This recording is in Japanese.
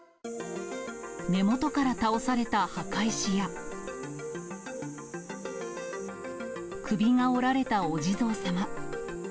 根元から倒された墓石や、首が折られたお地蔵様。